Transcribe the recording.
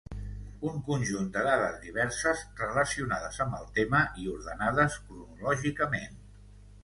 Un conjunt de dades diverses, relacionades amb el tema i ordenades cronològicament.